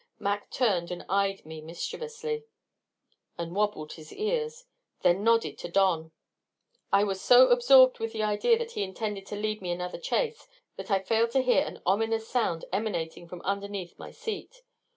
Mac turned and eyed me mischievously, and wobbled his ears, then nodded to Don. I was so absorbed with the idea that he intended to lead me another chase that I failed to hear an ominous sound emanating from underneath my seat.